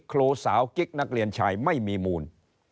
ครูสาวกิ๊กนักเรียนชายไม่มีมูล